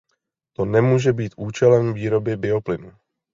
To nemůže být účelem výroby bioplynu.